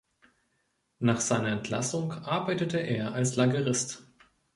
Nach seiner Entlassung arbeitete er als Lagerist.